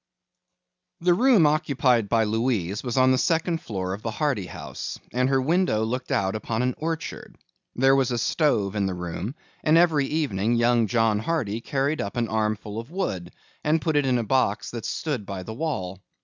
The room occupied by Louise was on the second floor of the Hardy house, and her window looked out upon an orchard. There was a stove in the room and every evening young John Hardy carried up an armful of wood and put it in a box that stood by the wall.